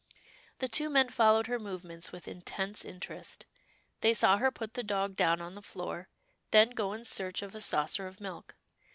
The two men followed her movements with in tense interest. They saw her put the dog down on the floor, then go in search of a saucer of milk.